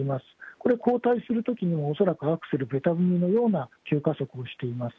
これ、後退するときにも恐らくアクセル、べた踏みのような急加速をしています。